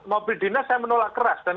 mobil dinas saya menolak keras dan